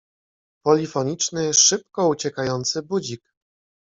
Polifoniczny, szybko uciekający budzik.